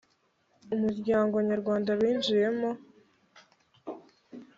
umuryango nyarwanda binjiyemo